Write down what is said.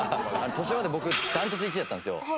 途中まで僕断トツで１位だったんですよ。